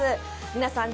皆さん